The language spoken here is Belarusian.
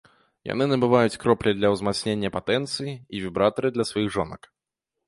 Яны набываюць кроплі для ўзмацнення патэнцыі і вібратары для сваіх жонак.